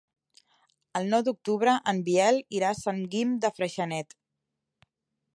El nou d'octubre en Biel irà a Sant Guim de Freixenet.